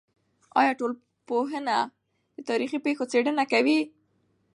آیا ټولنپوهنه د تاریخي پېښو څېړنه کوي؟